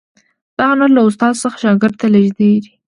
دا هنر له استاد څخه شاګرد ته لیږدید.